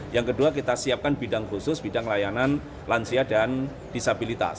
yang kedua kita siapkan bidang khusus bidang layanan lansia dan disabilitas